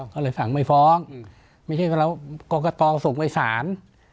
ก็เลยสั่งไปฟ้องไม่ใช่ว่าเรากอกกะตอส่งไปสาร